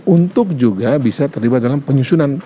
untuk juga bisa terlibat dalam penyusunan